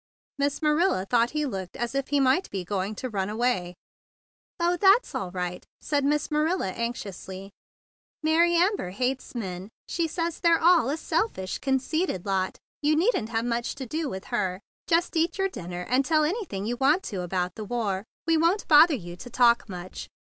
Miss Maxilla thought he looked as if he might be going to run away. "Oh, that's all right!" said Miss Ma¬ nila anxiously. "Neither does Mary Amber like men. She says they're all a selfish conceited lot. You needn't have much to do with her. Just eat your THE BIG BLUE SOLDIER 27 dinner and tell anything you want to about the war. We won't bother you to talk much.